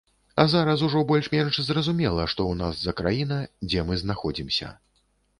А зараз ужо больш-менш зразумела, што ў нас за краіна, дзе мы знаходзімся.